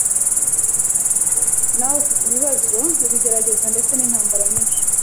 nawe ufite ibibazo, ibigeragezo ndetse n’intambara nyinshi